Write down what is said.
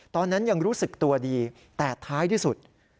ตอนนั้นยังรู้สึกตัวดีแต่ท้ายที่สุด